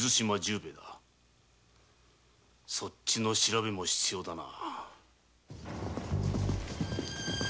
そっちの調べも必要だな。